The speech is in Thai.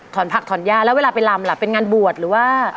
ผักถอนย่าแล้วเวลาไปลำล่ะเป็นงานบวชหรือว่า